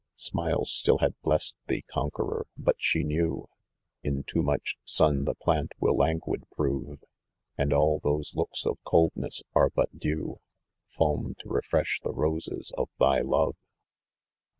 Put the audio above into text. * Smiles still had blest thee, conqueror, but she knew In too much sun the plant will languid prove ; And all those looks of coldness are but dew, Fal'n to refresh the roses of thy love.